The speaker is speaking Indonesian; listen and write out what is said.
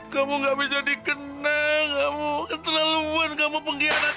kamu gak bisa dikenang kamu keterlaluan kamu pengkhianat